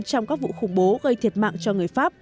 trong các vụ khủng bố gây thiệt mạng cho người pháp